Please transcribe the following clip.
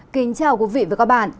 kính chào quý vị và các bạn